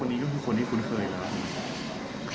คนนี้คือคนที่คุณเคยหรือเปล่า